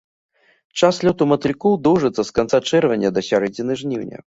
Час лёту матылькоў доўжыцца з канца чэрвеня да сярэдзіны жніўня.